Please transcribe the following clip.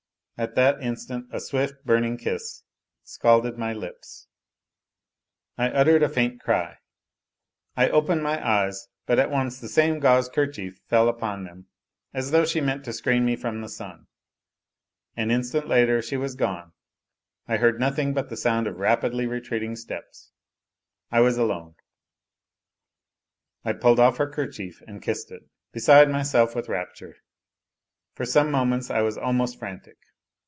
At that instant a swift, burning kiss scalded my lips. I uttered a faint cry. I opened my eyes, but at once the same gauze kercliief fell upon them, as though she meant to screen me from the sun. An instant later she was gone. I heard nothing but the sound of rapidly retreating stops. I was alone. A LITTLE HERO 257 I pulled off her kerchief and kissed it, . beside myself with rapture; for some moments I was almost frantic.